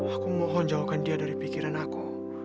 aku memohon jauhkan dia dari pikiran aku